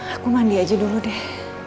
aku mandi aja dulu deh